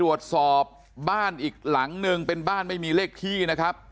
แล้วก็ยัดลงถังสีฟ้าขนาด๒๐๐ลิตร